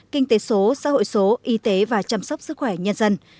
kinh tế số xã hội số y tế và chăm sóc sức khỏe nhân dân